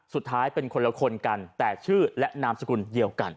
สุดท้ายเป็นคนละคนกันแต่ชื่อและนามสกุลเดียวกัน